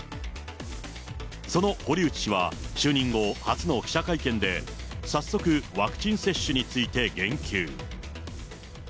その堀内氏は、就任後、初の記者会見で、早速、ワクチン接種について言及。